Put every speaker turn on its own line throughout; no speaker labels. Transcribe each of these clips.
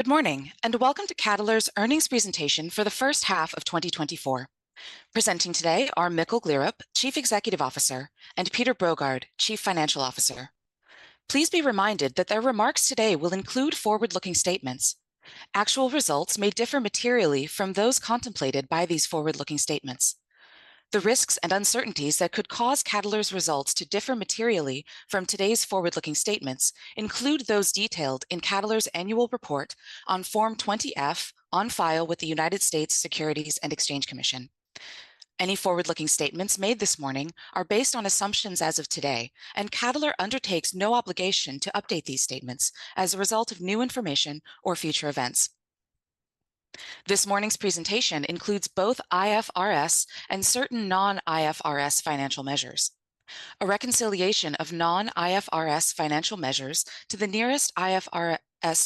Good morning, and welcome to Cadeler's earnings presentation for the H1 of 2024. Presenting today are Mikkel Gleerup, Chief Executive Officer, and Peter Brogaard, Chief Financial Officer. Please be reminded that their remarks today will include forward-looking statements. Actual results may differ materially from those contemplated by these forward-looking statements. The risks and uncertainties that could cause Cadeler's results to differ materially from today's forward-looking statements include those detailed in Cadeler's annual report on Form 20-F, on file with the United States Securities and Exchange Commission. Any forward-looking statements made this morning are based on assumptions as of today, and Cadeler undertakes no obligation to update these statements as a result of new information or future events. This morning's presentation includes both IFRS and certain non-IFRS financial measures. A reconciliation of non-IFRS financial measures to the nearest IFRS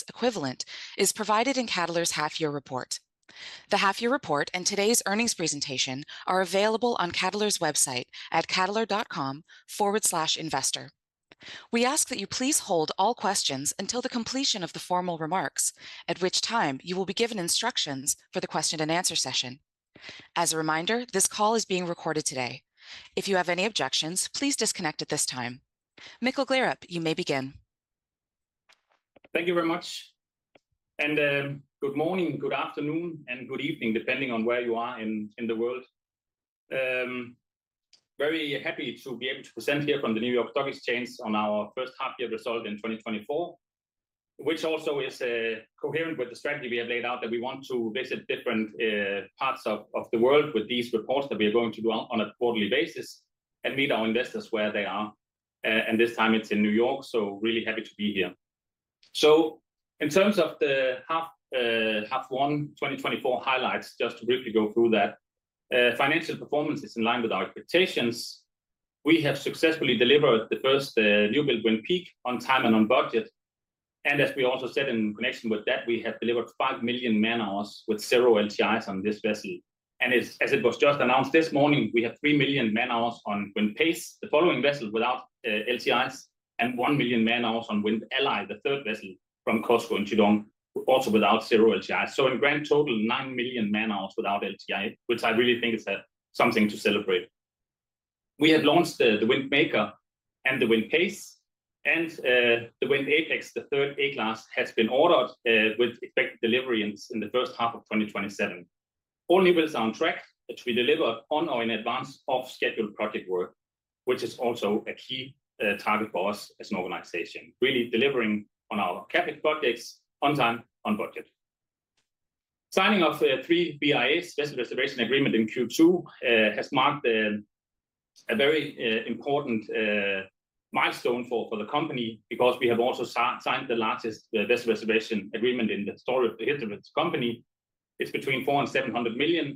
equivalent is provided in Cadeler's half year report. The half year report and today's earnings presentation are available on Cadeler's website at cadeler.com/investor. We ask that you please hold all questions until the completion of the formal remarks, at which time you will be given instructions for the question and answer session. As a reminder, this call is being recorded today. If you have any objections, please disconnect at this time. Mikkel Gleerup, you may begin.
Thank you very much, and, good morning, good afternoon, and good evening, depending on where you are in the world. Very happy to be able to present here from the New York Stock Exchange on our first half year result in 2024, which also is coherent with the strategy we have laid out, that we want to visit different parts of the world with these reports that we are going to do on a quarterly basis and meet our investors where they are, and this time it's in New York, so really happy to be here, in terms of the half, half one 2024 highlights, just to briefly go through that, financial performance is in line with our expectations. We have successfully delivered the first newbuild Wind Peak on time and on budget. As we also said in connection with that, we have delivered 5 million man-hours with zero LTIs on this vessel. As it was just announced this morning, we have 3 million man-hours on Wind Pace, the following vessel without LTIs, and 1 million man-hours on Wind Ally, the third vessel from COSCO and Qidong, also without zero LTIs. In grand total, 9 million man-hours without LTI, which I really think is something to celebrate. We have launched the Wind Maker and the Wind Pace, and the Wind Apex, the third A-class, has been ordered with expected delivery in the first half of 2027. All newbuilds are on track, which we delivered on or in advance of scheduled project work, which is also a key target for us as an organization, really delivering on our CapEx projects on time, on budget. Signing of the three VRA Vessel Reservation Agreement in Q2 has marked a very important milestone for the company because we have also signed the largest vessel reservation agreement in the history of the company. It is between 400 million and 700 million,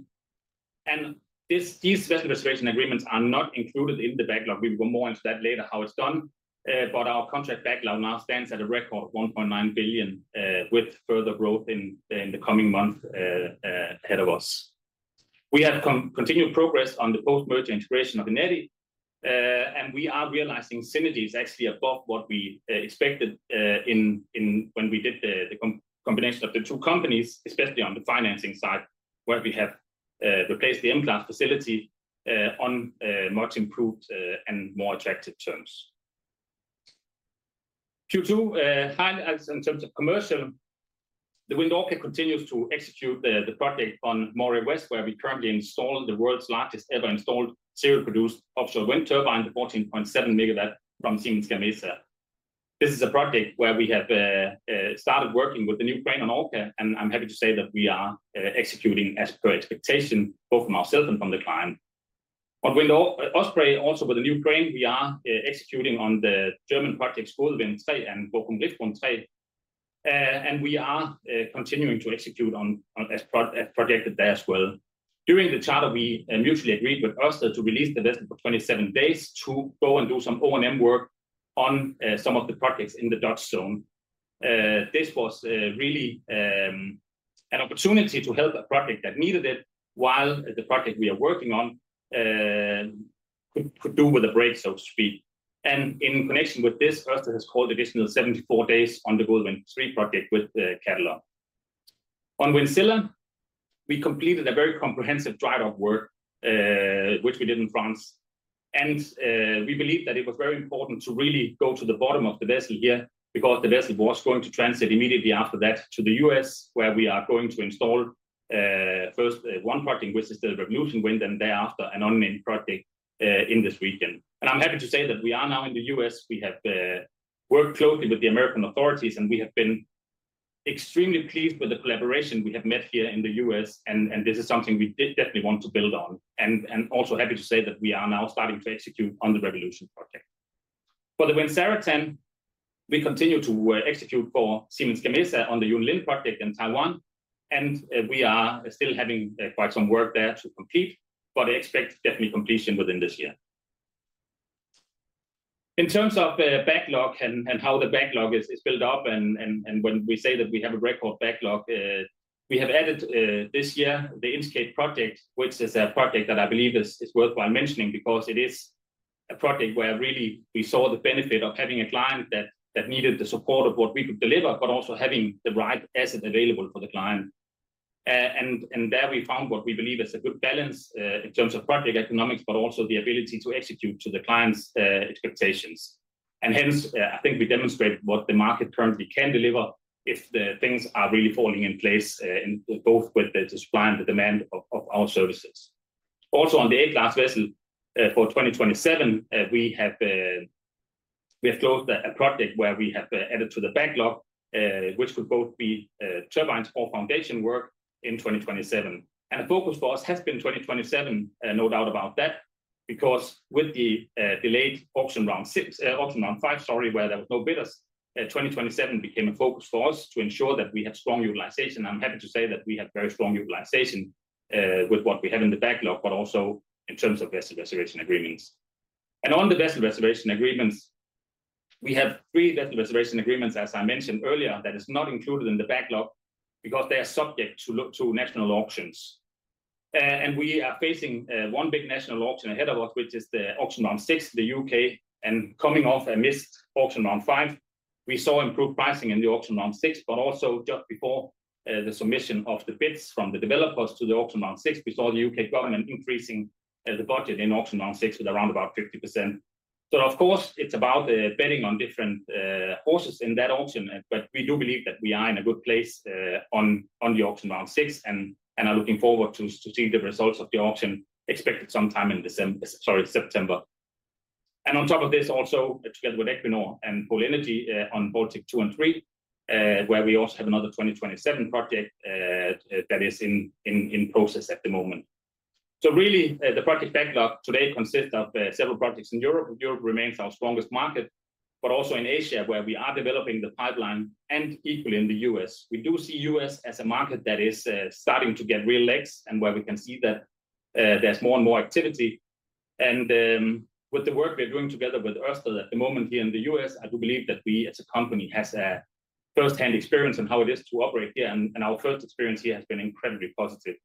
and these vessel reservation agreements are not included in the backlog. We will go more into that later, how it is done. But our contract backlog now stands at a record of 1.9 billion with further growth in the coming months ahead of us. We have continued progress on the post-merger integration of Eneti, and we are realizing synergies actually above what we expected when we did the combination of the two companies, especially on the financing side, where we have replaced the Eneti facility on much improved and more attractive terms. Q2 highlights in terms of commercial, the Wind Orca continues to execute the project on Moray West, where we currently installed the world's largest ever installed serial-produced offshore wind turbine, the 14.7 MW from Siemens Gamesa. This is a project where we have started working with the new crane on Orca, and I'm happy to say that we are executing as per expectation, both from ourselves and from the client. On Wind Osprey, also with the new crane, we are executing on the German project, Gode Wind 3, and Borkum Riffgrund 3, and we are continuing to execute on as projected there as well. During the charter, we mutually agreed with Ørsted to release the vessel for 27 days to go and do some O&M work on some of the projects in the Dutch zone. This was really an opportunity to help a project that needed it, while the project we are working on could do with a break, so to speak. In connection with this, Ørsted has called additional 74 days on the Gode Wind 3 project with Cadeler. On Wind Scylla, we completed a very comprehensive dry dock work, which we did in France, and we believe that it was very important to really go to the bottom of the vessel here, because the vessel was going to transit immediately after that to the U.S., where we are going to install first one project, which is the Revolution Wind, and thereafter an unnamed project in this weekend. I'm happy to say that we are now in the U.S. We have worked closely with the American authorities, and we have been extremely pleased with the collaboration we have met here in the U.S., and this is something we definitely want to build on, and also happy to say that we are now starting to execute on the Revolution project. For the Wind Zaratan, we continue to execute for Siemens Gamesa on the Yunlin project in Taiwan, and we are still having quite some work there to complete, but expect definitely completion within this year. In terms of backlog and how the backlog is built up, and when we say that we have a record backlog, we have added this year the Inch Cape project, which is a project that I believe is worthwhile mentioning because it is a project where really we saw the benefit of having a client that needed the support of what we could deliver, but also having the right asset available for the client. There we found what we believe is a good balance in terms of project economics, but also the ability to execute to the client's expectations. And hence, I think we demonstrated what the market currently can deliver if the things are really falling in place, in both with the supply and the demand of our services. Also, on the A-Class vessel, for 2027, we have closed a project where we have added to the backlog, which would both be turbines or foundation work in 2027. And the focus for us has been 2027, no doubt about that, because with the delayed Auction Round 6, Auction Round 5, sorry, where there was no bidders, 2027 became a focus for us to ensure that we had strong utilization. I'm happy to say that we have very strong utilization with what we have in the backlog, but also in terms of vessel reservation agreements. And on the vessel reservation agreements, we have three vessel reservation agreements, as I mentioned earlier, that is not included in the backlog because they are subject to national auctions. And we are facing one big national auction ahead of us, which is the Auction Round 6 in the U.K., and coming off a missed Auction Round 5. We saw improved pricing in the Auction Round 6, but also just before the submission of the bids from the developers to the Auction Round 6, we saw the U.K. government increasing the budget in Auction Round 6 with around about 50%. So of course, it's about betting on different horses in that auction. But we do believe that we are in a good place on the Auction Round 6, and are looking forward to seeing the results of the auction, expected sometime in September. And on top of this, also together with Equinor and Polenergia on Bałtyk 2 and 3, where we also have another 2027 project that is in process at the moment. So really, the project backlog today consists of several projects in Europe, and Europe remains our strongest market, but also in Asia, where we are developing the pipeline and equally in the U.S. We do see U.S. as a market that is starting to get real legs and where we can see that there's more and more activity. With the work we are doing together with Ørsted at the moment here in the U.S., I do believe that we as a company has a firsthand experience on how it is to operate here, and our first experience here has been incredibly positive.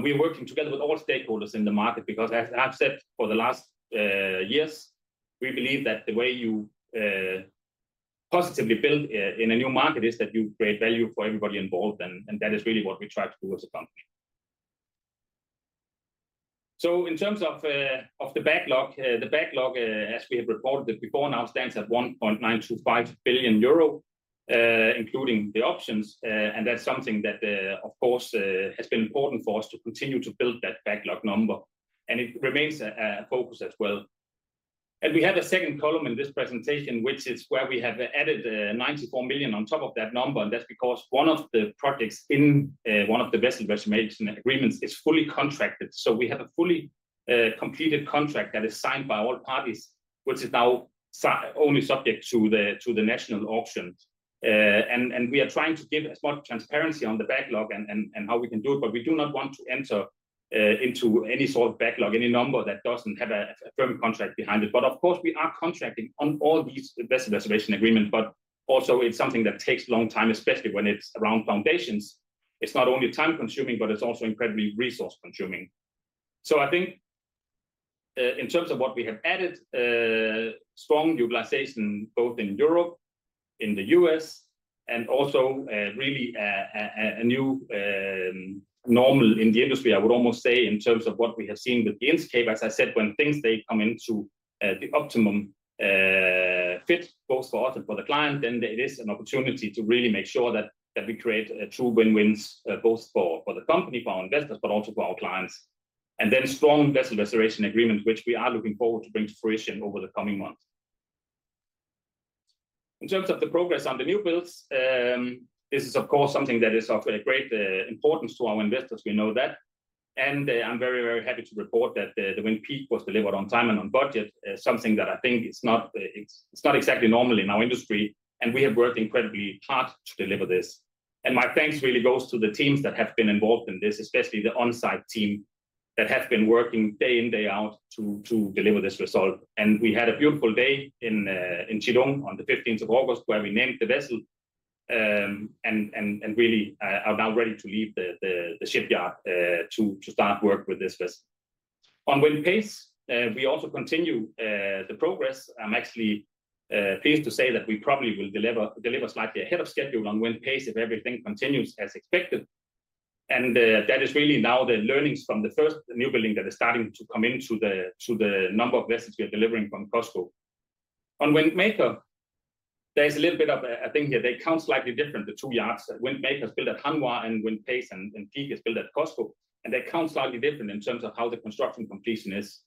We're working together with all stakeholders in the market because as I've said for the last years, we believe that the way you positively build in a new market is that you create value for everybody involved, and that is really what we try to do as a company. In terms of the backlog, as we have reported it before, now stands at 1.925 billion euro, including the options. That's something that, of course, has been important for us to continue to build that backlog number, and it remains a focus as well. We have a second column in this presentation, which is where we have added 94 million on top of that number, and that's because one of the projects in one of the vessel reservation agreements is fully contracted. So we have a fully completed contract that is signed by all parties, which is now only subject to the national auctions. We are trying to give as much transparency on the backlog and how we can do it, but we do not want to enter into any sort of backlog, any number that doesn't have a firm contract behind it. Of course, we are contracting on all these vessel reservation agreement, but also it's something that takes a long time, especially when it's around foundations. It's not only time-consuming, but it's also incredibly resource-consuming. I think in terms of what we have added, strong utilization both in Europe, in the U.S., and also really a new normal in the industry. I would almost say in terms of what we have seen with the landscape. As I said, when things come into the optimum fit both for us and for the client, then it is an opportunity to really make sure that we create a true win-win both for the company, for our investors, but also for our clients. And then strong vessel reservation agreement, which we are looking forward to bring to fruition over the coming months. In terms of the progress on the new builds, this is of course something that is of great importance to our investors. We know that, and I'm very, very happy to report that the Wind Peak was delivered on time and on budget, something that I think is not exactly normal in our industry, and we have worked incredibly hard to deliver this. And my thanks really goes to the teams that have been involved in this, especially the on-site team that have been working day in, day out to deliver this result. We had a beautiful day in Qidong on the fifteenth of August, where we named the vessel and really are now ready to leave the shipyard to start work with this vessel. On Wind Pace, we also continue the progress. I'm actually pleased to say that we probably will deliver slightly ahead of schedule on Wind Pace if everything continues as expected. That is really now the learnings from the first new building that is starting to come into the number of vessels we are delivering from COSCO. On Wind Maker, there is a little bit of a thing here. They count slightly different, the 2 yards. Wind Maker is built at Hanwha, and Wind Pace and Peak is built at COSCO, and they count slightly different in terms of how the construction completion is.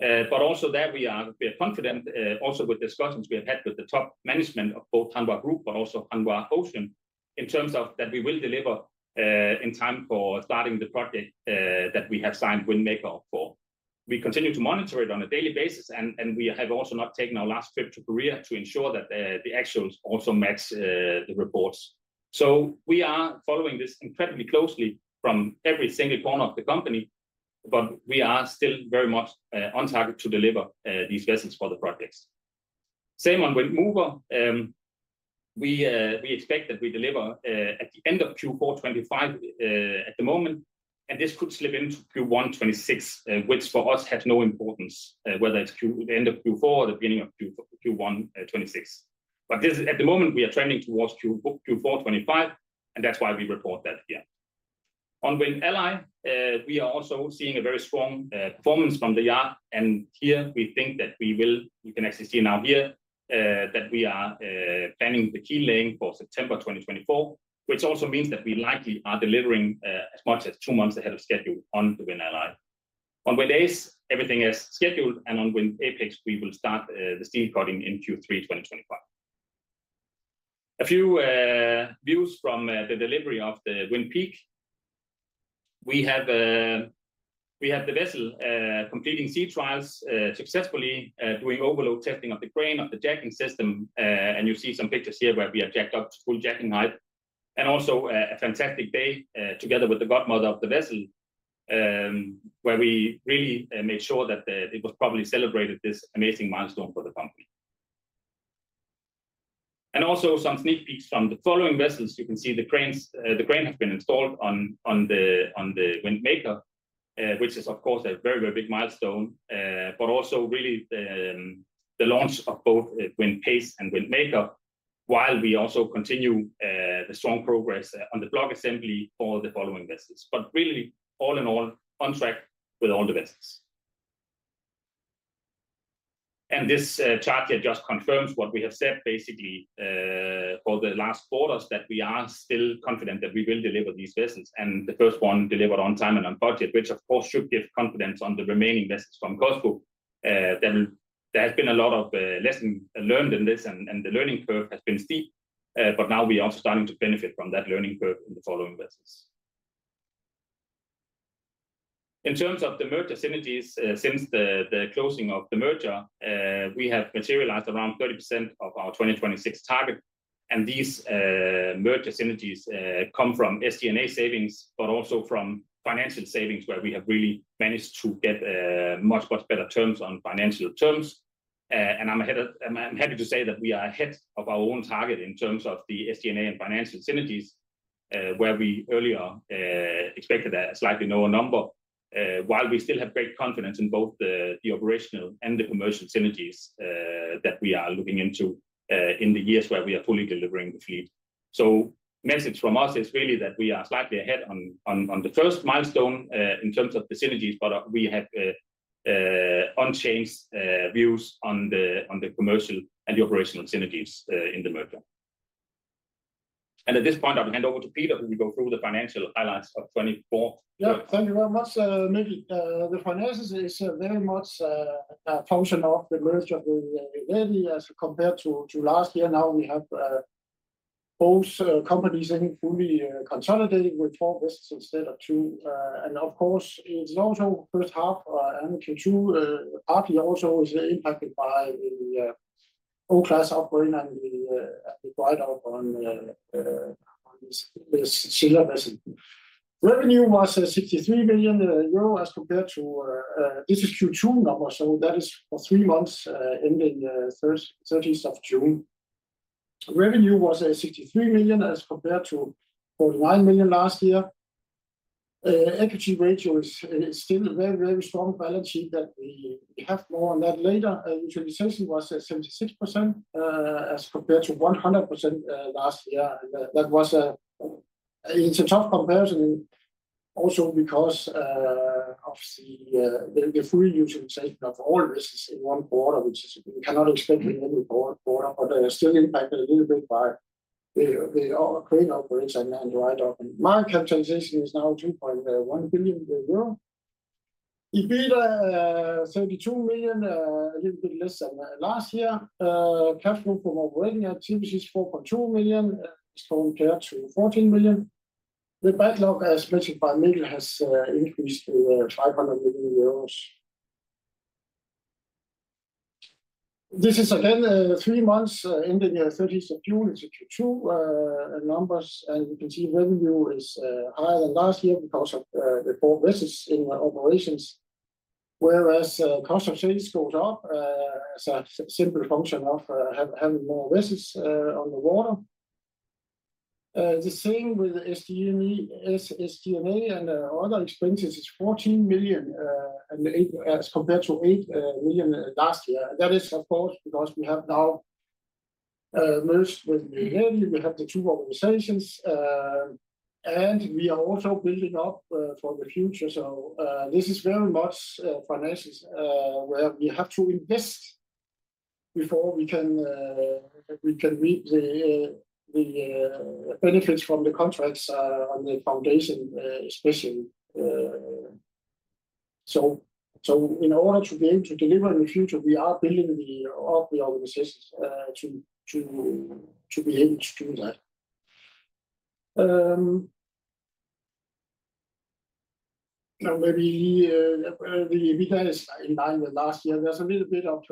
But also there we are, we are confident, also with discussions we have had with the top management of both Hanwha Group, but also Hanwha Ocean, in terms of that we will deliver, in time for starting the project, that we have signed Wind Maker for. We continue to monitor it on a daily basis, and we have also not taken our last trip to Korea to ensure that, the actuals also match, the reports. So we are following this incredibly closely from every single corner of the company, but we are still very much, on target to deliver, these vessels for the projects. Same on Wind Mover, we expect that we deliver at the end of Q4 2025, at the moment, and this could slip into Q1 2026, which for us has no importance, whether it's the end of Q4 or the beginning of Q1 2026. But this, at the moment, we are trending towards Q4 2025, and that's why we report that here. On Wind Ally, we are also seeing a very strong performance from the yard, and here we think that we will- we can actually see now here that we are planning the keel laying for September 2024, which also means that we likely are delivering as much as two months ahead of schedule on the Wind Ally. On Wind Ace, everything is scheduled, and on Wind Apex, we will start the steel cutting in Q3 2025. A few views from the delivery of the Wind Peak. We have the vessel completing sea trials successfully doing overload testing of the crane, of the jacking system. And you see some pictures here where we have jacked up to full jacking height, and also a fantastic day together with the godmother of the vessel, where we really made sure that it was probably celebrated this amazing milestone for the company. And also, some sneak peeks from the following vessels. You can see the cranes, the crane have been installed on the Wind Maker, which is, of course, a very, very big milestone. But also really, the launch of both Wind Pace and Wind Maker, while we also continue the strong progress on the block assembly for the following vessels. But really, all in all, on track with all the vessels. And this chart here just confirms what we have said, basically, for the last quarters, that we are still confident that we will deliver these vessels, and the first one delivered on time and on budget, which of course should give confidence on the remaining vessels from COSCO. Then there has been a lot of lesson learned in this, and the learning curve has been steep, but now we are starting to benefit from that learning curve in the following vessels. In terms of the merger synergies, since the closing of the merger, we have materialized around 30% of our 2026 target, and these merger synergies come from SG&A savings, but also from financial savings, where we have really managed to get much better terms on financial terms. I’m happy to say that we are ahead of our own target in terms of the SG&A and financial synergies, where we earlier expected a slightly lower number. While we still have great confidence in both the operational and the commercial synergies that we are looking into in the years where we are fully delivering the fleet. So message from us is really that we are slightly ahead on the first milestone in terms of the synergies, but we have unchanged views on the commercial and the operational synergies in the merger. And at this point, I'll hand over to Peter, who will go through the financial highlights of 2024.
Yeah. Thank you very much, Mikkel. The finances is very much a function of the merger with Eneti as compared to last year. Now, we have both companies fully consolidating with four vessels instead of two. And of course, it's also first half and Q2 partly also is impacted by the O-class upgrade and the writeoff on the Scylla vessel. Revenue was 63 million euro as compared to. This is Q2 numbers, so that is for three months ending 30th of June. Revenue was 63 million as compared to 41 million last year. Equity ratio is still a very, very strong balance sheet that we have more on that later. Utilization was at 76%, as compared to 100% last year. And that was a tough comparison also because of the free utilization of all vessels in one quarter, which is we cannot expect in any quarter, but still impacted a little bit by the crane operations and the write-off. Market capitalization is now 2.1 billion euro. EBITDA 32 million, a little bit less than last year. Cash flow from operating activities is 4.2 million, as compared to 14 million. The backlog, as mentioned by Mikkel, has increased to 500 million euros. This is again three months ending the 30th of June. It's Q2 numbers, and you can see revenue is higher than last year because of the four vessels in operations, whereas cost of sales goes up as a simple function of having more vessels on the water. The same with SG&A and other expenses is 14.8 million, as compared to 8 million last year. That is, of course, because we have now merged with Eneti. We have the two organizations, and we are also building up for the future. This is very much finances where we have to invest before we can reap the benefits from the contracts on the foundation, especially. So in order to be able to deliver in the future, we are building all the organizations to be able to do that. And maybe the EBITDA is in line with last year. There's a little bit of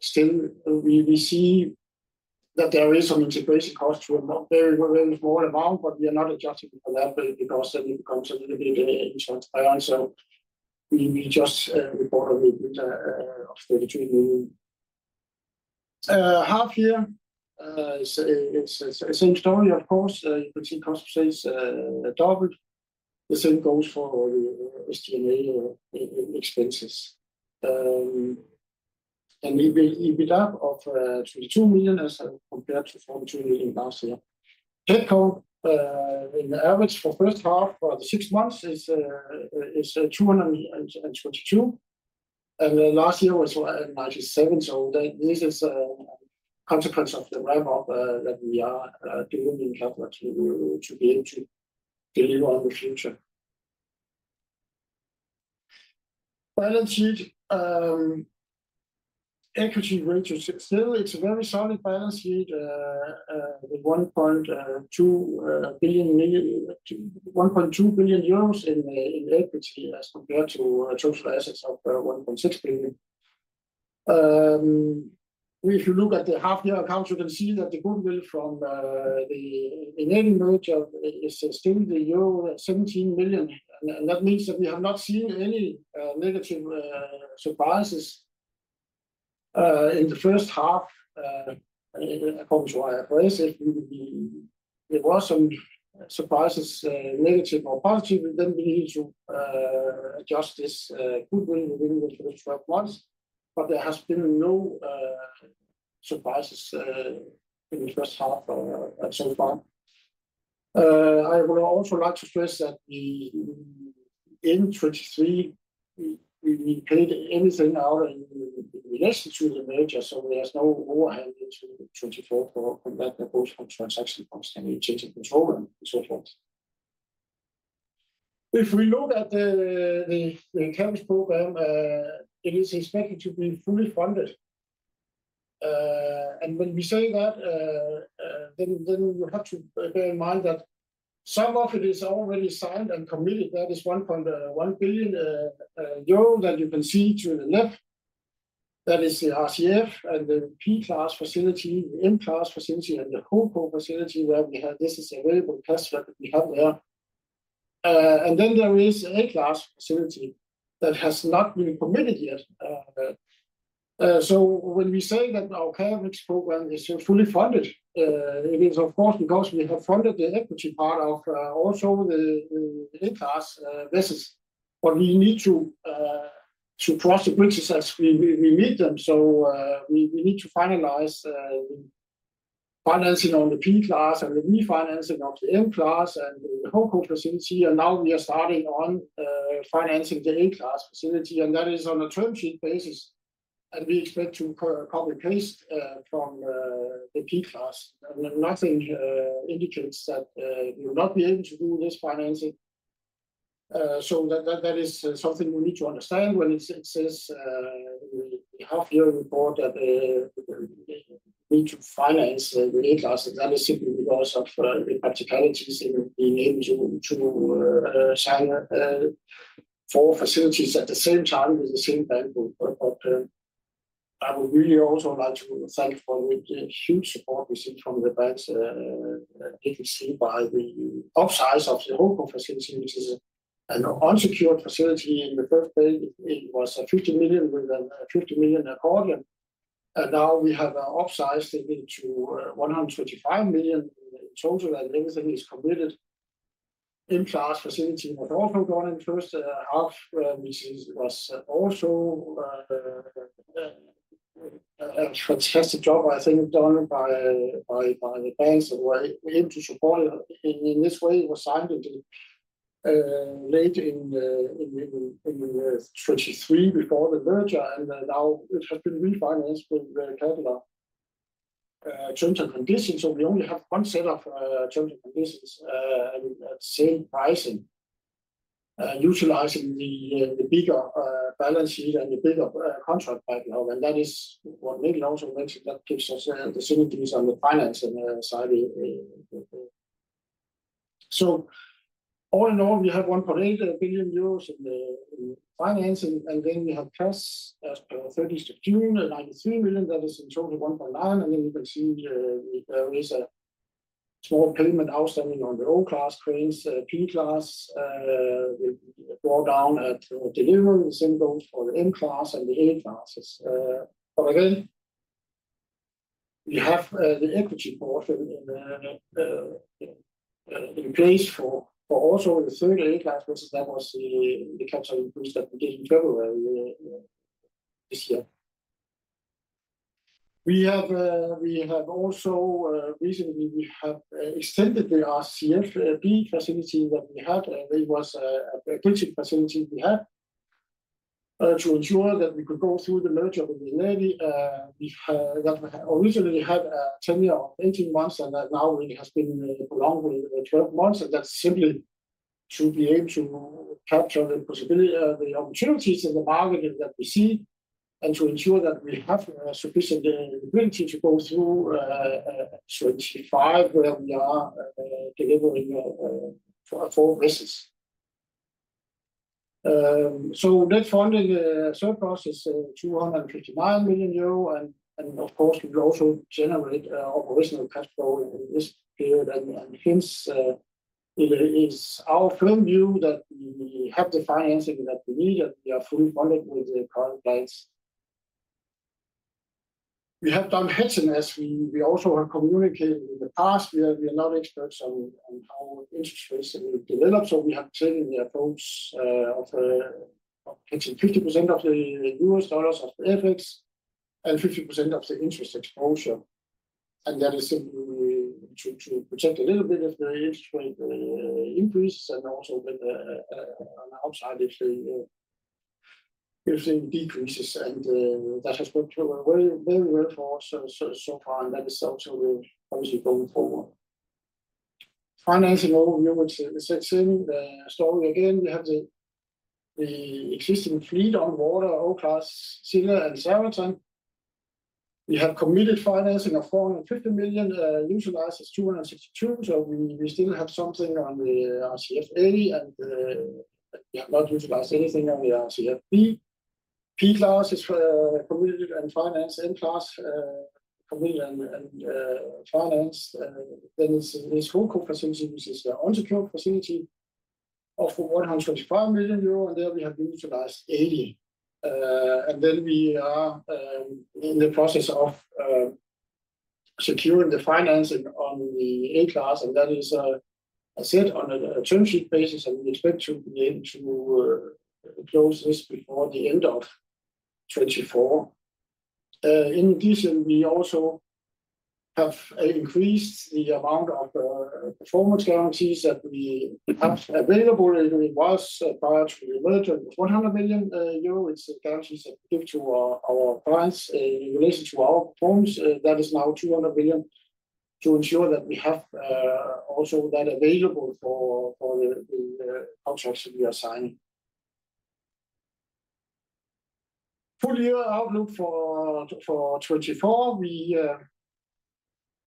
still we see that there is some integration costs. We're not very involved, but we are not adjusting for that because then it becomes a little bit transparent. So we just report a little bit of the between half year. So it's same story, of course, you can see cost base doubled. The same goes for the SG&A expenses. And we build up of 32 million as compared to 40 million last year. CapEx in the average for first half for the six months is 222, and the last year was 97. So that this is a consequence of the ramp up that we are doing in capital to be able to deliver on the future. Balance sheet equity ratio. Still it's a very solid balance sheet with 1.2 billion euros, million... 1.2 billion euros in equity as compared to total assets of 1.6 billion. If you look at the half year accounts, you can see that the goodwill from the merger is still euro 17 million, and that means that we have not seen any negative surprises in the first half compared to our basic. Well, there were some surprises, negative or positive, but then we need to adjust this goodwill within the first twelve months, but there has been no surprises in the first half so far. I would also like to stress that we in 2023, we paid anything out in relation to the merger, so there's no overhang into 2024 for that, both for transaction costs and changing control and so forth. If we look at the CapEx program, it is expected to be fully funded. And when we say that, then you have to bear in mind that some of it is already signed and committed. That is 1.1 billion euro that you can see to the left. That is the RCF and the P-class facility, the M-class facility, and the O-class facility where we have this available cash flow that we have there. And then there is A-class facility that has not been committed yet. So when we say that our CapEx program is fully funded, it means of course, because we have funded the equity part of also the A-class. This is what we need to cross the bridges as we meet them. So we need to finalize financing on the P-class and the refinancing of the M-class and the O-class facility. And now we are starting on financing the A-class facility, and that is on a term sheet basis, and we expect to copy paste from the P-class. Nothing indicates that we'll not be able to do this financing. So that is something we need to understand when it says in the half-year report that we need to finance the A-Class. That is simply because of the practicalities in being able to sign four facilities at the same time with the same bank. But I would really also like to thank for the huge support we see from the banks. You can see by the upsize of the whole facility, which is an unsecured facility. In the first place, it was 50 million with a 50 million accordion, and now we have upsized it into 125 million in total, and everything is committed. M-Class facility has also gone in first half, which was also a fantastic job, I think, done by the banks who were able to support in this way. It was signed late in 2023 before the merger, and now it has been refinanced with the Cadeler terms and conditions. So we only have one set of terms and conditions at same pricing, utilizing the bigger balance sheet and the bigger contract right now, and that is what Mikkel also mentioned, that gives us the synergies on the financing side. So all in all, we have 1.8 billion euros in the financing, and then we have cash as per 30th June, 93 million, that is in total 1.9 billion. And then you can see, there is a small payment outstanding on the O-Class tranches, P-Class, draw down at delivery schedules for the M-Class and the A-Classes. But again, we have the equity portion in place for also the third A-Class, which was the capital increase that we did in February this year. We have also recently extended the RCF facility that we had, and it was a facility we had to ensure that we could go through the merger with Eneti. That originally had a tenure of 18 months, and that now it has been prolonged with 12 months, and that's simply to be able to capture the possibility, the opportunities in the market that we see, and to ensure that we have sufficient ability to go through 2025, where we are delivering four vessels. So net funding surplus is 259 million euro. Of course, we also generate operational cash flow in this period. Hence, it is our firm view that we have the financing that we need, and we are fully funded with the current plans. We have done hedging, as we also have communicated in the past. We are not experts on how interest rates will develop, so we have taken the approach of hedging 50% of the U.S. dollars of FX and 50% of the interest exposure. And that is simply to protect a little bit of the interest rate increase, and also with on the outside, if things decreases. And that has worked very well for us so far, and that is also obviously going forward. Financing overview, it is the same story again. We have the existing fleet on water, O-class, Scylla, and Zaratan. We have committed financing of 450 million, utilized is 262 million. So we still have something on the RCF-A, and we have not utilized anything on the RCF-B. P-class is committed and financed, M-class committed and financed. It is the accordion facility, which is an unsecured facility of EUR 125 million, and there we have utilized eighty. We are in the process of securing the financing on the A-class, and that is set on a term sheet basis, and we expect to be able to close this before the end of 2024. In addition, we also have increased the amount of performance guarantees that we have available, and it was about 100 million euro. It's the guarantees that we give to our clients in relation to our performance. That is now 200 million, to ensure that we have also that available for the contracts that we are signing. Full year outlook for 2024.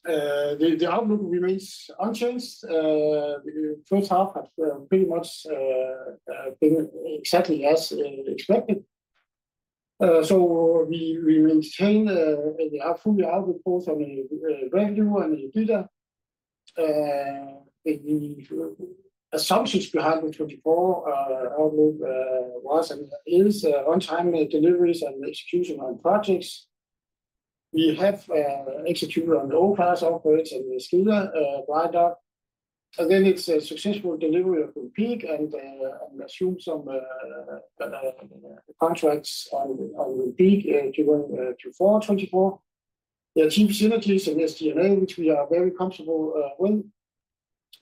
The outlook remains unchanged. The first half has pretty much been exactly as expected. So we maintain the full year outlook, both on the revenue and the EBITDA. The assumptions we had with 2024 outlook was and is on-time deliveries and execution on projects. We have executed on the O-Class operations and Scylla jack-up, and then it's a successful delivery of the Peak and assume some contracts on the Peak given Q4 2024. The achieved synergies and SG&A, which we are very comfortable with.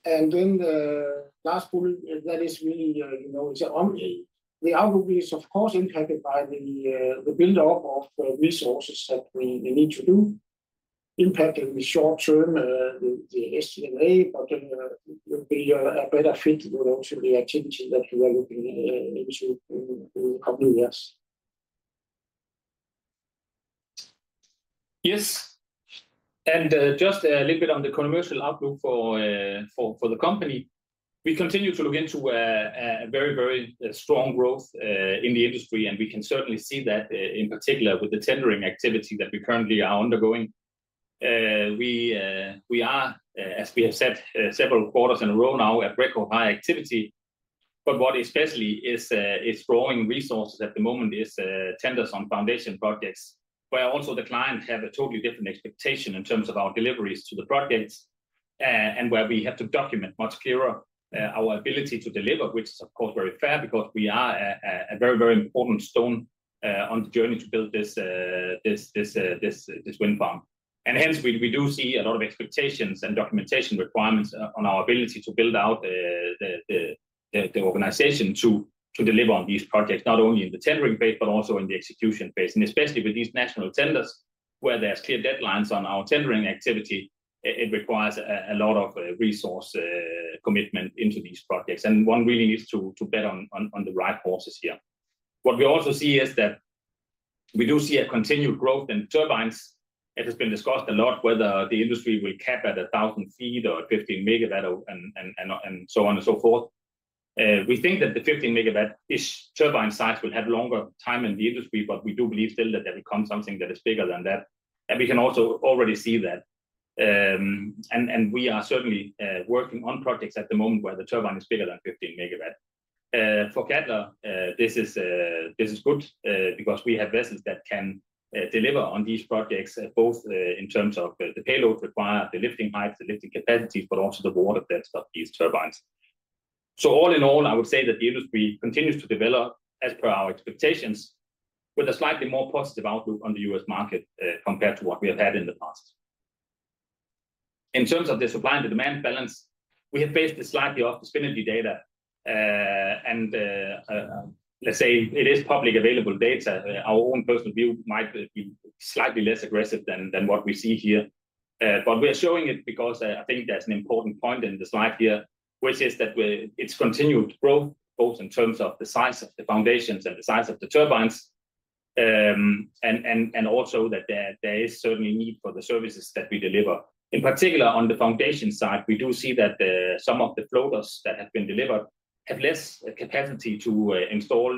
And then the last bullet, that is really, you know, it's only the outlook is, of course, impacted by the buildup of resources that we need to do, impacting the short term, the SG&A, but then will be a better fit with also the activity that we are looking into in the coming years.
Yes, and just a little bit on the commercial outlook for the company. We continue to look into a very, very strong growth in the industry, and we can certainly see that in particular with the tendering activity that we currently are undergoing. We are, as we have said, several quarters in a row now, at record high activity, but what especially is growing resources at the moment is tenders on foundation projects, where also the client have a totally different expectation in terms of our deliveries to the projects, and where we have to document much clearer our ability to deliver. Which is, of course, very fair because we are a very, very important stone on the journey to build this wind farm. Hence, we do see a lot of expectations and documentation requirements on our ability to build out the organization to deliver on these projects, not only in the tendering phase, but also in the execution phase. Especially with these national tenders, where there are clear deadlines on our tendering activity, it requires a lot of resource commitment into these projects, and one really needs to bet on the right horses here. What we also see is that we do see a continued growth in turbines. It has been discussed a lot whether the industry will cap at a 1,000 t or 15 MW, and so on and so forth. We think that the 15 MW-ish turbine size will have longer time in the industry, but we do believe still that there will come something that is bigger than that, and we can also already see that. And we are certainly working on projects at the moment where the turbine is bigger than 15 MW. For Cadeler, this is good, because we have vessels that can deliver on these projects, both in terms of the payload required, the lifting heights, the lifting capacities, but also the water depth of these turbines. So all in all, I would say that the industry continues to develop as per our expectations, with a slightly more positive outlook on the U.S. market compared to what we have had in the past. In terms of the supply and demand balance, we have based this slightly off the industry data. Let's say it is publicly available data. Our own personal view might be slightly less aggressive than what we see here, but we are showing it because I think there's an important point in the slide here, which is that it's continued to grow, both in terms of the size of the foundations and the size of the turbines... and also that there is certainly need for the services that we deliver. In particular, on the foundation side, we do see that some of the floaters that have been delivered have less capacity to install,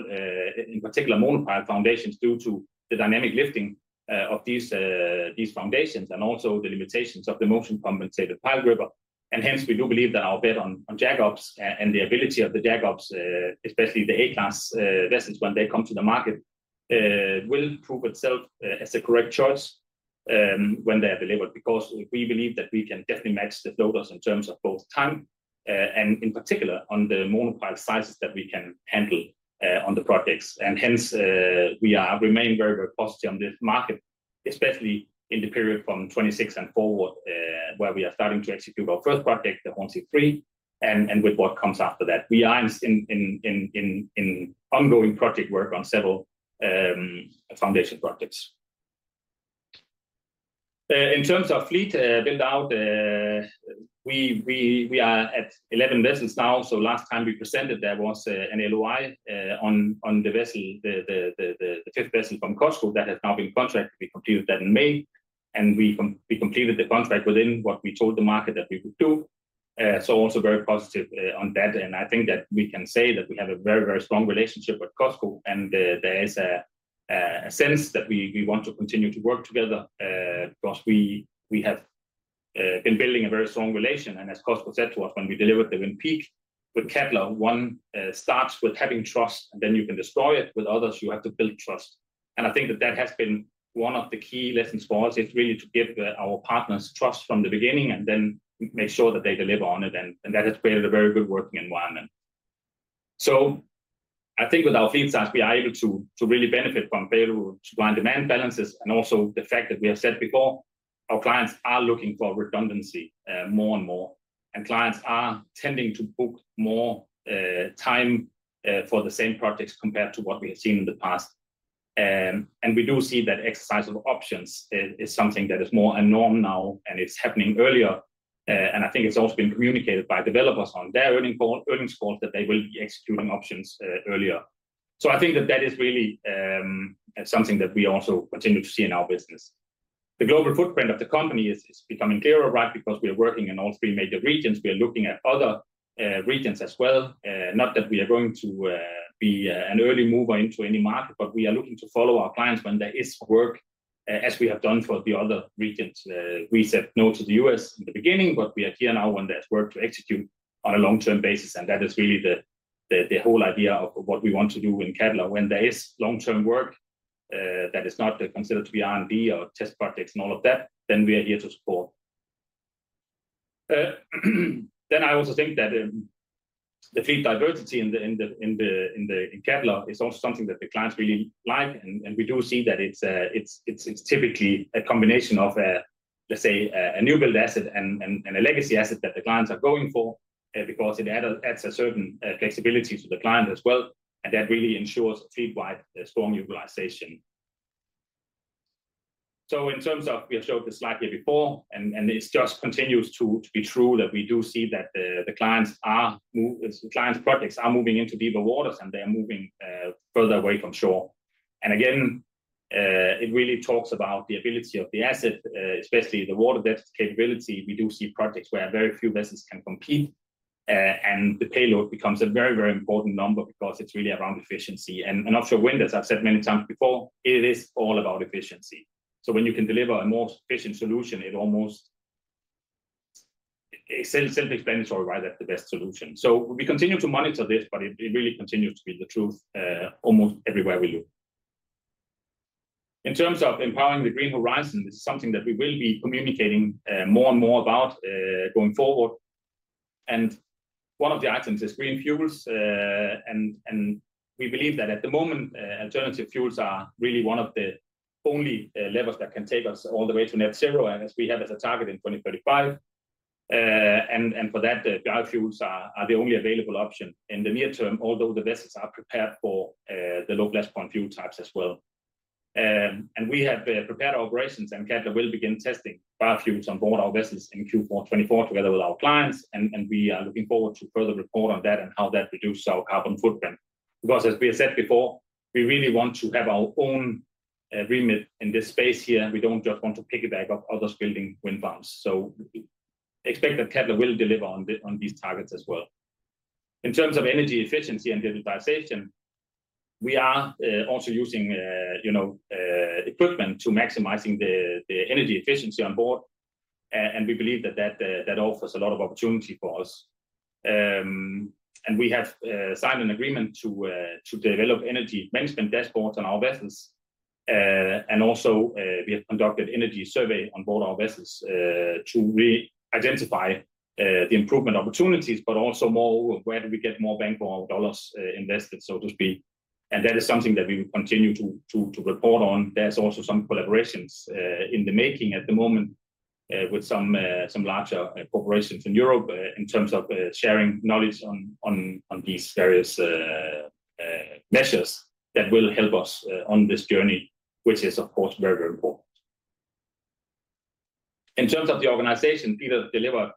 in particular monopile foundations due to the dynamic lifting of these foundations, and also the limitations of the motion compensated pile driver. And hence, we do believe that our bet on jackups and the ability of the jackups, especially the A-class vessels, when they come to the market, will prove itself as the correct choice when they are delivered. Because we believe that we can definitely match the floaters in terms of both time and in particular, on the monopile sizes that we can handle on the projects. And hence, we are remaining very, very positive on this market, especially in the period from 2026 and forward, where we are starting to execute our first project, the Hornsea 3, and with what comes after that. We are in ongoing project work on several foundation projects. In terms of fleet build-out, we are at 11 vessels now. So last time we presented, there was an LOI on the vessel, the fifth vessel from COSCO that has now been contracted. We completed that in May, and we completed the contract within what we told the market that we would do. So also very positive on that, and I think that we can say that we have a very, very strong relationship with COSCO, and there is a sense that we want to continue to work together because we have been building a very strong relation. And as COSCO said to us when we delivered the Wind Peak, with Cadeler, one starts with having trust, and then you can destroy it. With others, you have to build trust. And I think that that has been one of the key lessons for us, is really to give our partners trust from the beginning and then make sure that they deliver on it, and that has created a very good working environment. So I think with our fleet size, we are able to to really benefit from payload-to-demand balances and also the fact that we have said before, our clients are looking for redundancy more and more, and clients are tending to book more time for the same projects compared to what we have seen in the past. And we do see that exercise of options is something that is more a norm now, and it's happening earlier. And I think it's also been communicated by developers on their earnings calls that they will be executing options earlier. So I think that that is really something that we also continue to see in our business. The global footprint of the company is becoming clearer, right? Because we are working in all three major regions. We are looking at other regions as well. Not that we are going to be an early mover into any market, but we are looking to follow our clients when there is work, as we have done for the other regions. We said no to the U.S. in the beginning, but we are here now when there's work to execute on a long-term basis, and that is really the whole idea of what we want to do in Cadeler. When there is long-term work, that is not considered to be R&D or test projects and all of that, then we are here to support. Then I also think that the fleet diversity in Cadeler is also something that the clients really like. We do see that it's typically a combination of, let's say, a new build asset and a legacy asset that the clients are going for, because it adds a certain flexibility to the client as well, and that really ensures a fleet-wide strong utilization. In terms of... We have showed this slide here before, and it just continues to be true, that we do see that the clients' projects are moving into deeper waters, and they are moving further away from shore. Again, it really talks about the ability of the asset, especially the water depth capability. We do see projects where very few vessels can compete, and the payload becomes a very, very important number because it's really around efficiency. Offshore wind, as I've said many times before, it is all about efficiency. When you can deliver a more efficient solution, it almost... It's self-explanatory, right? That's the best solution. We continue to monitor this, but it really continues to be the truth almost everywhere we look. In terms of empowering the green horizon, this is something that we will be communicating more and more about going forward. One of the items is green fuels. We believe that at the moment alternative fuels are really one of the only levers that can take us all the way to net zero, and as we have a target in 2035. And for that, the biofuels are the only available option in the near term, although the vessels are prepared for the low flashpoint fuel types as well. And we have prepared operations, and Cadeler will begin testing biofuels on board our vessels in Q4 2024, together with our clients, and we are looking forward to further report on that and how that reduce our carbon footprint. Because as we have said before, we really want to have our own agreement in this space here, and we don't just want to piggyback off others building wind farms. So expect that Cadeler will deliver on these targets as well. In terms of energy efficiency and digitization, we are also using you know equipment to maximizing the energy efficiency on board, and we believe that that offers a lot of opportunity for us. And we have signed an agreement to develop energy management dashboards on our vessels. And also, we have conducted energy survey on board our vessels to re-identify the improvement opportunities, but also more, where do we get more bang for our dollars invested, so to speak. And that is something that we will continue to report on. There's also some collaborations in the making at the moment with some larger corporations in Europe in terms of sharing knowledge on these various measures that will help us on this journey, which is, of course, very, very important. In terms of the organization, Peter delivered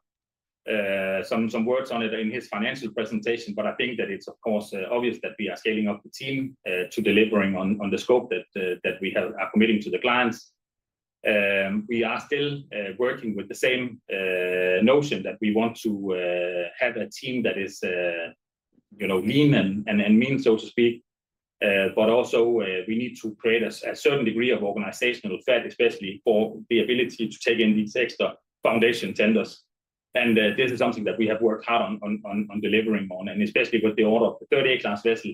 some words on it in his financial presentation, but I think that it's, of course, obvious that we are scaling up the team to delivering on the scope that we are committing to the clients. We are still working with the same notion that we want to have a team that is, you know, lean and mean, so to speak. But also, we need to create a certain degree of organizational effect, especially for the ability to take in these extra foundation tenders. And this is something that we have worked hard on delivering on, and especially with the order of A-class vessel,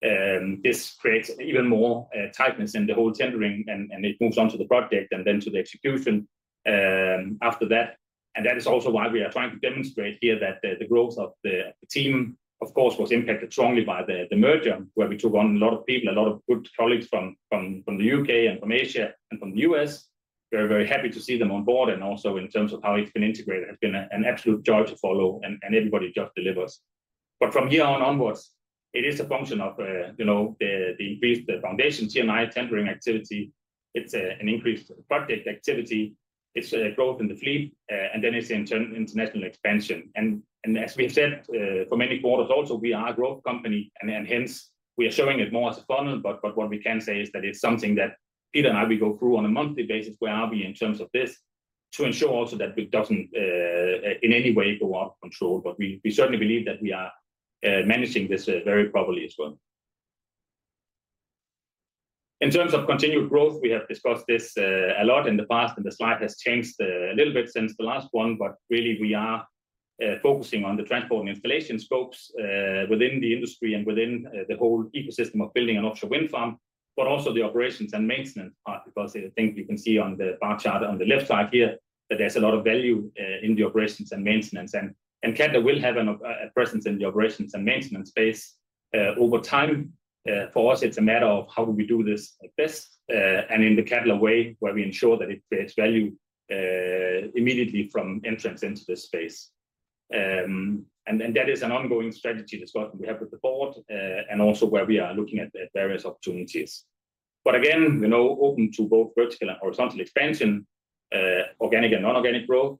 this creates even more tightness in the whole tendering, and it moves on to the project and then to the execution, after that. And that is also why we are trying to demonstrate here that the growth of the team, of course, was impacted strongly by the merger, where we took on a lot of people, a lot of good colleagues from the U.K. and from Asia and from the U.S. Very, very happy to see them on board, and also in terms of how it's been integrated, it's been an absolute joy to follow, and everybody just delivers. But from here on onwards, it is a function of, you know, the increased foundation T&I tendering activity. It's an increased project activity. It's a growth in the fleet, and then it's the international expansion. And as we have said, for many quarters also, we are a growth company, and then hence, we are showing it more as a funnel. But what we can say is that it's something that Peter and I, we go through on a monthly basis, where are we in terms of this, to ensure also that it doesn't in any way go out of control. But we certainly believe that we are managing this very properly as well. In terms of continued growth, we have discussed this a lot in the past, and the slide has changed a little bit since the last one, but really, we are focusing on the transport and installation scopes within the industry and within the whole ecosystem of building an offshore wind farm, but also the operations and maintenance part, because I think you can see on the bar chart on the left side here, that there's a lot of value in the operations and maintenance. And Cadeler will have a presence in the operations and maintenance space over time. For us, it's a matter of how do we do this at best, and in the Cadeler way, where we ensure that it creates value immediately from entrance into this space, and that is an ongoing strategy, as well, we have with the board, and also where we are looking at the various opportunities, but again, you know, open to both vertical and horizontal expansion, organic and non-organic growth,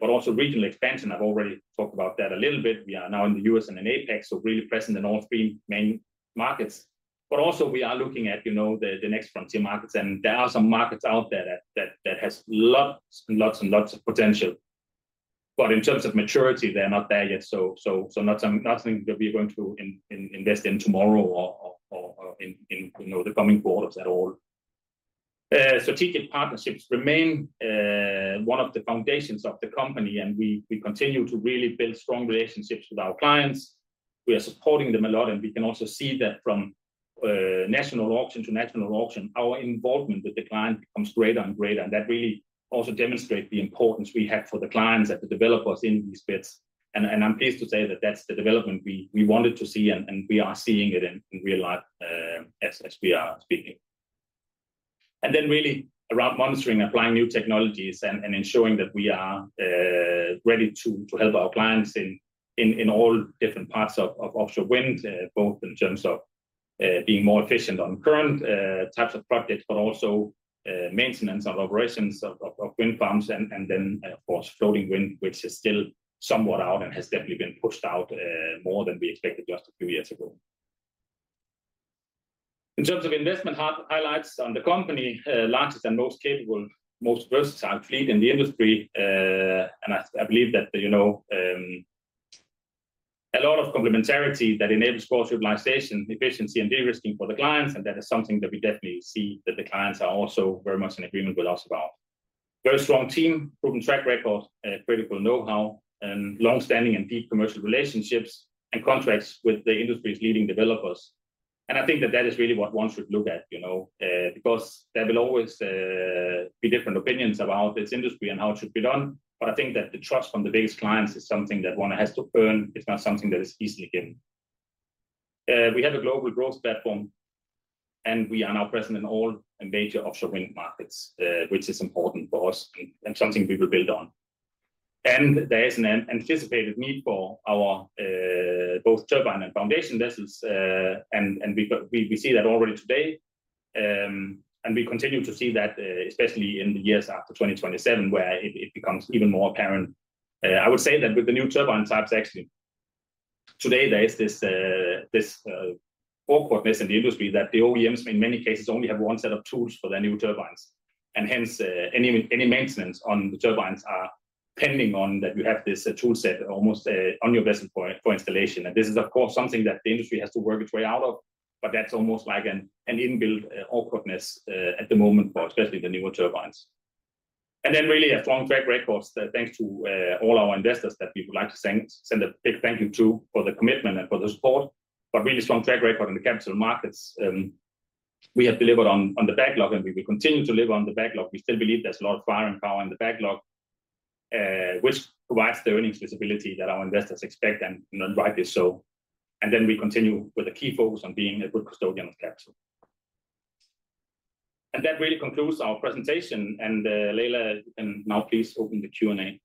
but also regional expansion. I've already talked about that a little bit. We are now in the U.S. and in APAC, so really present in all three main markets, but also we are looking at, you know, the next frontier markets, and there are some markets out there that has lots of potential. But in terms of maturity, they're not there yet, so not something that we're going to invest in tomorrow or in you know the coming quarters at all. Strategic partnerships remain one of the foundations of the company, and we continue to really build strong relationships with our clients. We are supporting them a lot, and we can also see that from national auction to national auction, our involvement with the client becomes greater and greater. And that really also demonstrate the importance we have for the clients that the developers in these bids. And I'm pleased to say that that's the development we wanted to see, and we are seeing it in real life as we are speaking. And then really around monitoring, applying new technologies and ensuring that we are ready to help our clients in all different parts of offshore wind, both in terms of being more efficient on current types of projects, but also maintenance and operations of wind farms, and then, of course, floating wind, which is still somewhat out and has definitely been pushed out more than we expected just a few years ago. In terms of investment highlights on the company, largest and most capable, most versatile fleet in the industry. And I believe that, you know, a lot of complementarity that enables large organization efficiency and de-risking for the clients, and that is something that we definitely see that the clients are also very much in agreement with us about. Very strong team, proven track record, critical know-how, and longstanding and deep commercial relationships and contracts with the industry's leading developers. And I think that that is really what one should look at, you know, because there will always be different opinions about this industry and how it should be done. But I think that the trust from the biggest clients is something that one has to earn. It's not something that is easily given. We have a global growth platform, and we are now present in all major offshore wind markets, which is important for us and something we will build on. And there is an anticipated need for our both turbine and foundation vessels, and we see that already today. We continue to see that, especially in the years after 2027, where it becomes even more apparent. I would say that with the new turbine types, actually, today, there is this awkwardness in the industry that the OEMs, in many cases, only have one set of tools for their new turbines, and hence, any maintenance on the turbines are pending on that you have this tool set almost on your vessel for installation. This is, of course, something that the industry has to work its way out of, but that's almost like an inbuilt awkwardness at the moment for especially the newer turbines. And then really a strong track record, thanks to all our investors that we would like to thank, send a big thank you to for the commitment and for the support, but really strong track record in the capital markets. We have delivered on the backlog, and we will continue to deliver on the backlog. We still believe there's a lot of fire and power in the backlog, which provides the earnings visibility that our investors expect, and rightly so. And then we continue with a key focus on being a good custodian of capital. And that really concludes our presentation, and Layla can now please open the Q&A.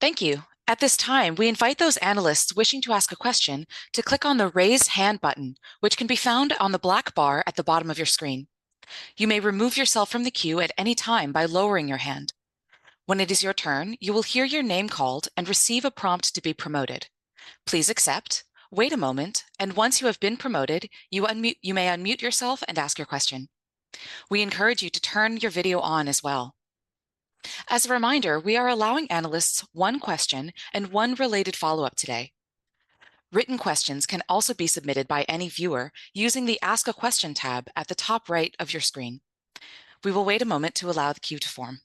Thank you. At this time, we invite those analysts wishing to ask a question to click on the Raise Hand button, which can be found on the black bar at the bottom of your screen. You may remove yourself from the queue at any time by lowering your hand. When it is your turn, you will hear your name called and receive a prompt to be promoted. Please accept, wait a moment, and once you have been promoted, you may unmute yourself and ask your question. We encourage you to turn your video on as well. As a reminder, we are allowing analysts one question and one related follow-up today. Written questions can also be submitted by any viewer using the Ask a Question tab at the top right of your screen. We will wait a moment to allow the queue to form.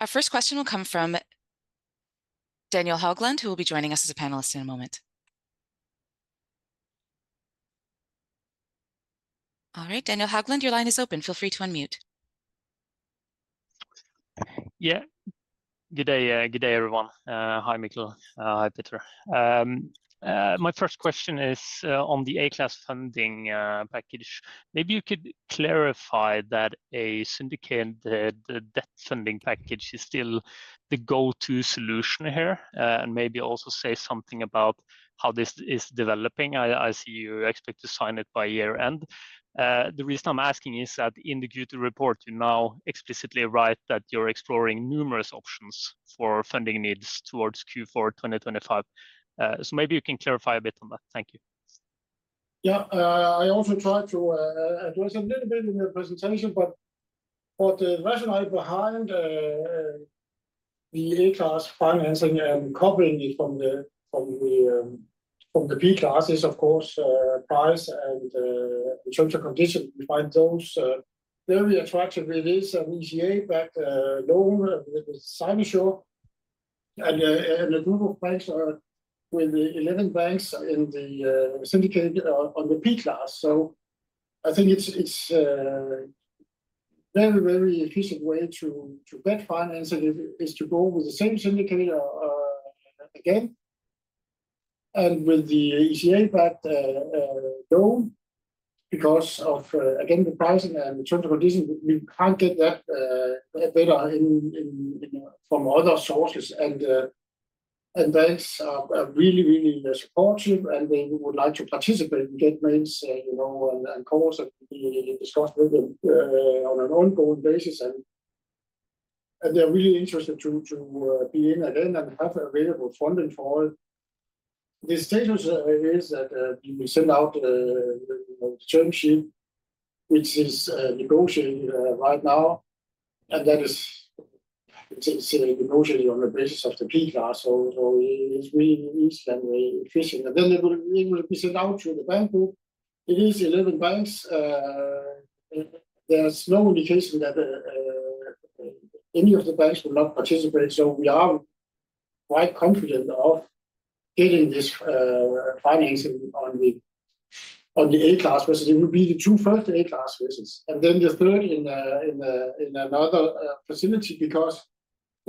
Our first question will come from Daniel Haugland, who will be joining us as a panelist in a moment. All right, Daniel Haugland, your line is open. Feel free to unmute.
Yeah. Good day, good day, everyone. Hi, Mikkel. Hi, Peter. My first question is on the A-Class funding package. Maybe you could clarify that a syndicated debt funding package is still the go-to solution here, and maybe also say something about how this is developing. I see you expect to sign it by year-end. The reason I'm asking is that in the Q2 report, you now explicitly write that you're exploring numerous options for funding needs towards Q4 2025. So maybe you can clarify a bit on that. Thank you.
Yeah. I also tried to address a little bit in the presentation, but the rationale behind the A-Class financing and coupling it from the P-Classes, of course, price and in terms of condition, we find those very attractive. It is an ECA-backed loan with a signing fee, and a group of banks are with the 11 banks in the syndicate on the P-Class. So I think it's a very efficient way to get financing is to go with the same syndicate again, and with the ECA-backed loan, because again, the pricing and the terms and conditions, we can't get that anywhere from other sources. Banks are really supportive, and they would like to participate and get loans, you know, and calls and discuss with them on an ongoing basis. They're really interested to be in again and have available funding for it. The status is that we sent out you know the term sheet, which is negotiating right now, and that is still negotiating on the basis of the B-Class. So it's really very efficient. Then it will be sent out to the bank group. It is 11 banks. There's no indication that any of the banks will not participate, so we are quite confident of getting this financing on the A-Class vessels. It will be the two first A-Class vessels, and then the third in another facility,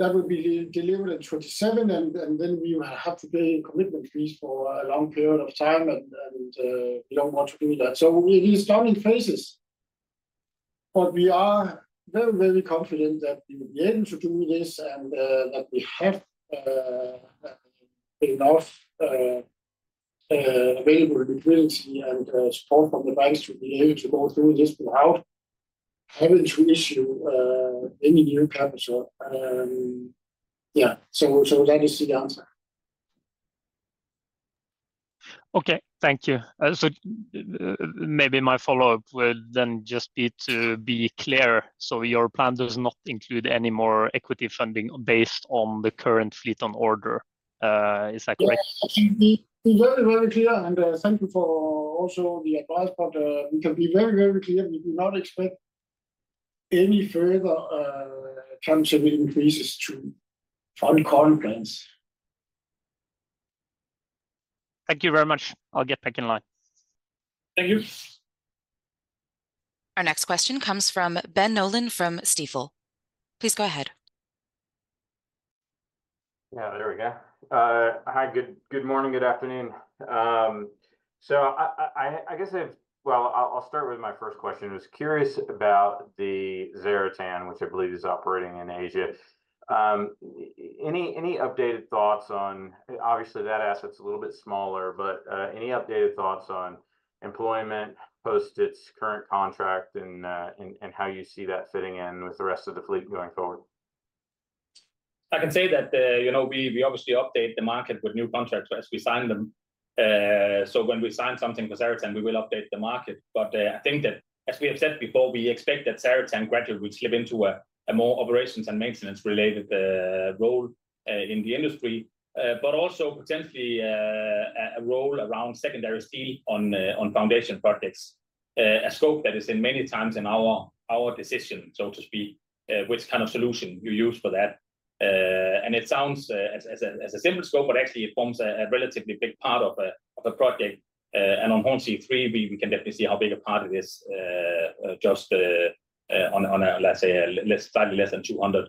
because that would be delivered in 2027, and then we would have to be in commitment at least for a long period of time, and we don't want to do that. So we start in phases, but we are very, very confident that we will be able to do this and that we have enough available liquidity and support from the banks to be able to go through this without having to issue any new capital. Yeah, so that is the answer.
Okay. Thank you. So maybe my follow-up will then just be to be clear. So your plan does not include any more equity funding based on the current fleet on order, is that correct?
Yeah. To be, be very, very clear, and thank you for also the advice, but we can be very, very clear. We do not expect any further term sheet increases to fund current plans.
Thank you very much. I'll get back in line.
Thank you.
Our next question comes from Ben Nolan from Stifel. Please go ahead.
Yeah, there we go. Hi, good morning, good afternoon. So I guess I... Well, I'll start with my first question. I was curious about the Zaratan, which I believe is operating in Asia. Any updated thoughts on—obviously, that asset's a little bit smaller, but any updated thoughts on employment post its current contract and how you see that fitting in with the rest of the fleet going forward?
I can say that, you know, we obviously update the market with new contracts as we sign them, so when we sign something with Zaratan, we will update the market, but I think that, as we have said before, we expect that Zaratan gradually will slip into a more operations and maintenance-related role in the industry, but also potentially a role around secondary steel on foundation projects, a scope that is in many times in our decision, so to speak, which kind of solution you use for that, and it sounds as a simple scope, but actually it forms a relatively big part of a project. And on Hornsea Three, we can definitely see how big a part it is, just on a, let's say, a slightly less than 200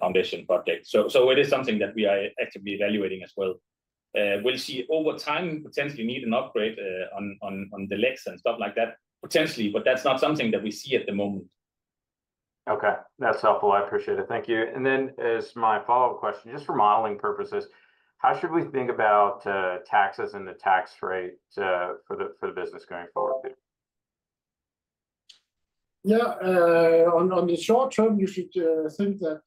foundation project. So it is something that we are actively evaluating as well. We'll see over time, potentially need an upgrade on the legs and stuff like that, potentially, but that's not something that we see at the moment.
Okay, that's helpful. I appreciate it, thank you. And then as my follow-up question, just for modeling purposes, how should we think about taxes and the tax rate for the business going forward?
Yeah, on the short term, you should think that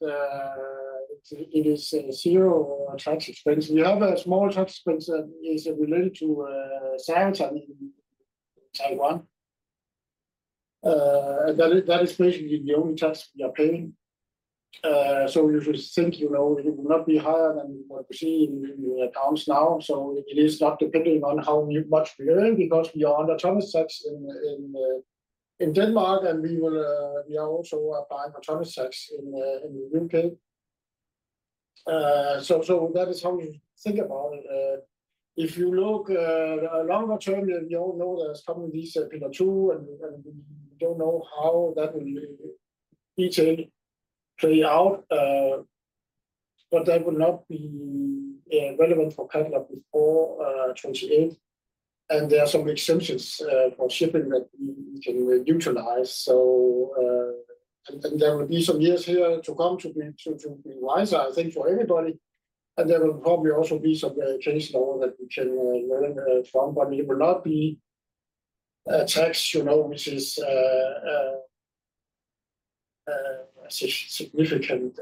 it is a zero tax expense. We have a small tax expense that is related to sales in Taiwan. That is basically the only tax we are paying. So you should think, you know, it will not be higher than what you see in your accounts now, so it is not depending on how much we earn, because we are tonnage tax in Denmark, and we are also applying for tax in the U.K. So that is how we think about it. If you look longer term, you know, there's coming these Pillar Two, and we don't know how that will detailed play out. But that will not be relevant for Cadeler before 2028, and there are some exemptions for shipping that we can utilize. And there will be some years here to come to be wiser, I think, for everybody, and there will probably also be some changes now that we can learn from, but it will not be tax, you know, which is significant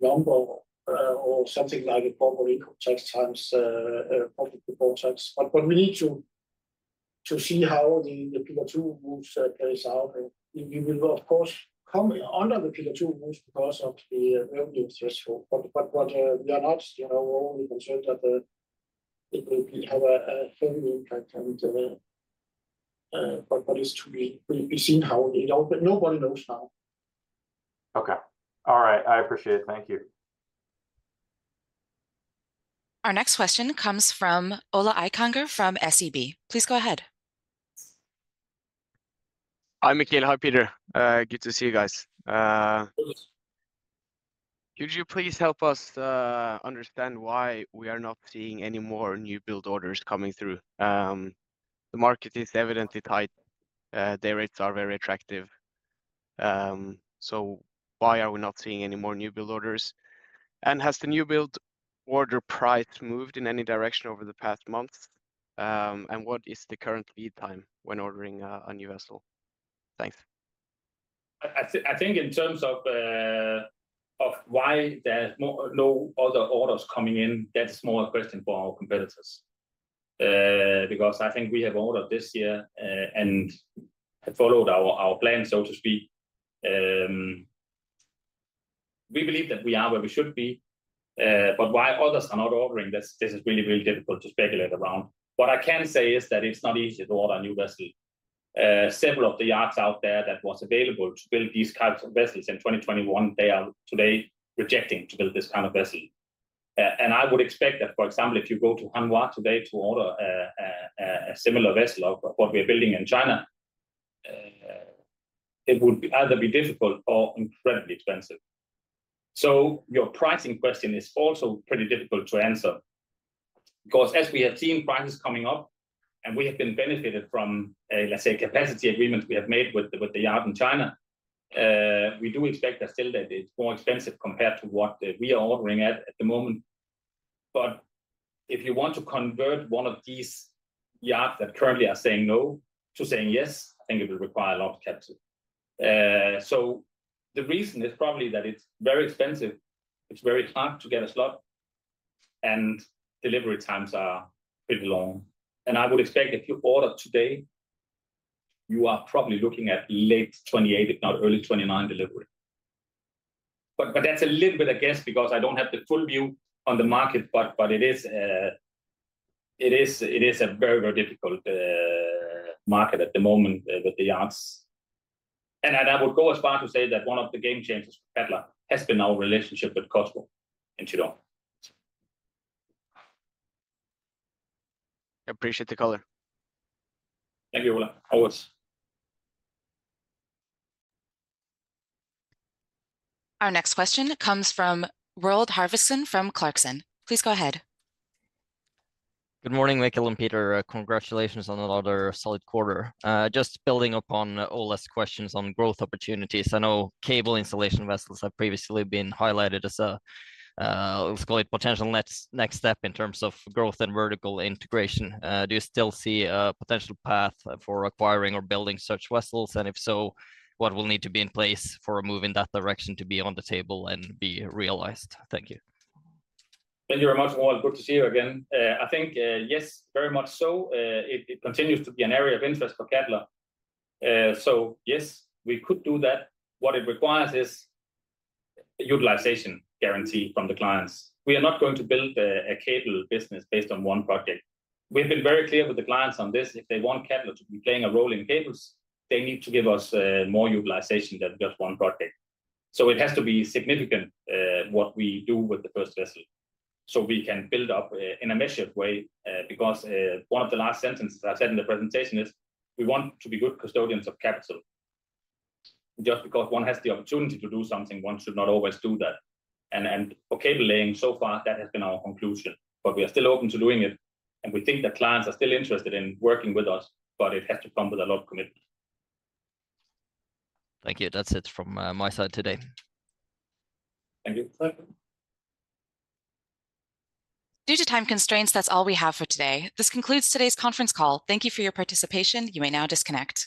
number or something like a proper income tax times public reports. But we need to see how the Pillar Two rules plays out, and we will of course come under the Pillar Two rules because of the revenue threshold. But what we are not, you know, we're only concerned that it will have a fair impact and... But that is to be. We've seen how they don't, but nobody knows now.
Okay. All right, I appreciate it. Thank you.
Our next question comes from Ola Eikanger from SEB. Please go ahead.
Hi, Mikkel. Hi, Peter. Good to see you guys.
Hello.
Could you please help us understand why we are not seeing any more new build orders coming through? The market is evidently tight, the rates are very attractive. So why are we not seeing any more new build orders? And has the new build order price moved in any direction over the past months? And what is the current lead time when ordering a new vessel? Thanks.
I think in terms of why there are no other orders coming in, that's more a question for our competitors. Because I think we have ordered this year and followed our plan, so to speak. We believe that we are where we should be. But why others are not ordering, this is really, really difficult to speculate around. What I can say is that it's not easy to order a new vessel. Several of the yards out there that was available to build these kinds of vessels in 2021, they are today rejecting to build this kind of vessel. And I would expect that, for example, if you go to Hanwha today to order a similar vessel of what we are building in China, it would either be difficult or incredibly expensive. So your pricing question is also pretty difficult to answer, because as we have seen prices coming up, and we have benefited from a, let's say, capacity agreements we have made with the yard in China, we do expect that still it's more expensive compared to what we are ordering at the moment. But if you want to convert one of these yards that currently are saying no to saying yes, I think it will require a lot of capital. So the reason is probably that it's very expensive, it's very hard to get a slot, and delivery times are pretty long. And I would expect if you order today, you are probably looking at late 2028, if not early 2029 delivery. But that's a little bit of a guess because I don't have the full view on the market, but it is a very, very difficult market at the moment with the yards. And I would go as far as to say that one of the game changers for Cadeler has been our relationship with COSCO in Qidong.
Appreciate the color.
Thank you, Ola. Always.
Our next question comes from Roar Harvesen from Clarksons. Please go ahead.
Good morning, Mikkel and Peter. Congratulations on another solid quarter. Just building upon Ola's questions on growth opportunities, I know cable installation vessels have previously been highlighted as a, let's call it potential next step in terms of growth and vertical integration. Do you still see a potential path for acquiring or building such vessels? And if so, what will need to be in place for a move in that direction to be on the table and be realized? Thank you.
Thank you very much, Roar. Good to see you again. I think, yes, very much so. It continues to be an area of interest for Cadeler. So yes, we could do that. What it requires is utilization guarantee from the clients. We are not going to build a cable business based on one project. We've been very clear with the clients on this, if they want Cadeler to be playing a role in cables, they need to give us more utilization than just one project. So it has to be significant, what we do with the first vessel, so we can build up in a measured way. Because one of the last sentences I said in the presentation is, we want to be good custodians of capital. Just because one has the opportunity to do something, one should not always do that. And for cable laying, so far, that has been our conclusion. But we are still open to doing it, and we think the clients are still interested in working with us, but it has to come with a lot of commitment.
Thank you. That's it from my side today.
Thank you.
Due to time constraints, that's all we have for today. This concludes today's conference call. Thank you for your participation. You may now disconnect.